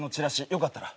よかったら。